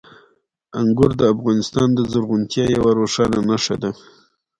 انګور د افغانستان د زرغونتیا یوه روښانه نښه ده.